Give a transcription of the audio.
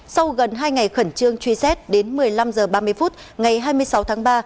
sau gần hai ngày khẩn trương truy xét đến một mươi năm h ba mươi phút ngày hai mươi sáu tháng ba